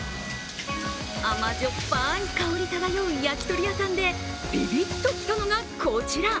甘じょっぱい香り漂う焼き鳥屋さんでビビッときたのがこちら。